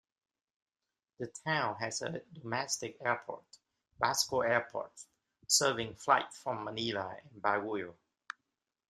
The town has a domestic airport, Basco Airport, serving flights from Manila and Baguio.